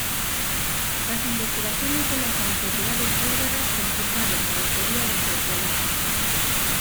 Las investigaciones de las autoridades búlgaras confirmaron la autoría de Hezbolá.